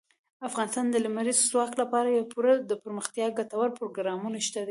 افغانستان کې د لمریز ځواک لپاره پوره دپرمختیا ګټور پروګرامونه شته دي.